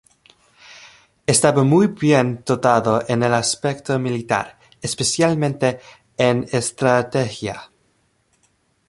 Estaba muy bien dotado en el aspecto militar, especialmente en estrategia.